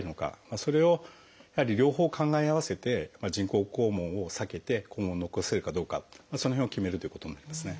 それをやはり両方考え合わせて人工肛門を避けて肛門を残せるかどうかその辺を決めるということになりますね。